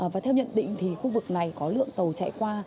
và theo nhận định thì khu vực này có lượng tàu chạy qua